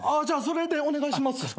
じゃあそれでお願いします。